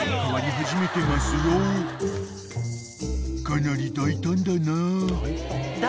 ［かなり大胆だな］